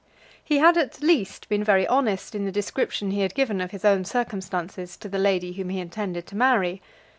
He had at least been very honest in the description he had given of his own circumstances to the lady whom he intended to marry.